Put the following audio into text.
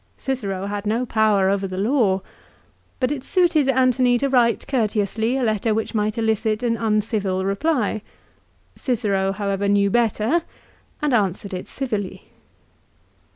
Cicero had no power over the law. But it suited Antony to write courteously a letter which might elicit an un civil reply. Cicero, however, knew better and answered it civilly.